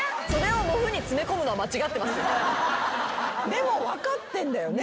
でも分かってんだよね